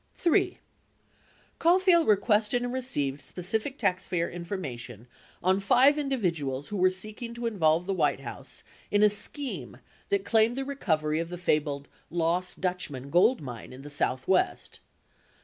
48 3. Caulfield requested and received specific taxpayer information on five individuals who were seeking to involve the White House in a scheme that claimed the discovery of the fabled "Lost Dutchman" gold mine in the southwest.